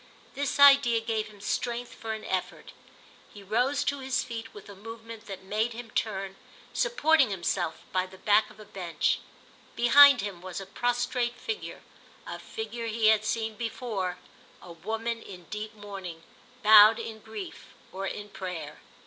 This idea gave him strength for an effort; he rose to his feet with a movement that made him turn, supporting himself by the back of a bench. Behind him was a prostrate figure, a figure he had seen before; a woman in deep mourning, bowed in grief or in prayer.